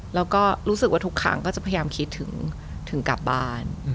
แล้วก็รู้สึกว่าทุกครั้งก็จะพยายามคิดถึงกลับบ้าน